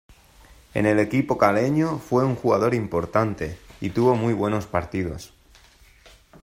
En el equipo caleño, fue un jugador importante, y tuvo muy buenos partidos.